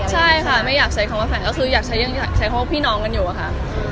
ใช่ค่ะไม่อยากใช้คำว่าแฟนก็คืออยากใช้ยังอยากใช้พวกพี่น้องกันอยู่อะค่ะ